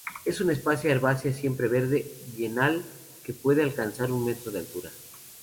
Es una especie herbácea, siempre verde, bienal, que puede alcanzar un metro de altura.